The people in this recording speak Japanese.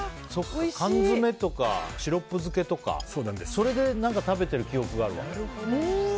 缶詰とかシロップ漬けとかで食べてる記憶があるわ。